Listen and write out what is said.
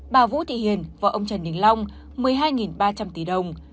bà vũ thị hiền và ông trần đình long một mươi hai ba trăm linh tỷ đồng